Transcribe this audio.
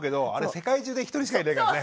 世界中で一人しかいないからね。